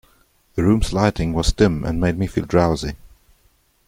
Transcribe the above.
The rooms lighting was dim and made me feel drowsy.